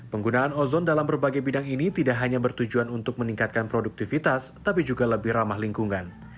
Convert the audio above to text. penggunaan ozon dalam berbagai bidang ini tidak hanya bertujuan untuk meningkatkan produktivitas tapi juga lebih ramah lingkungan